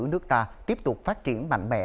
nước ta tiếp tục phát triển mạnh mẽ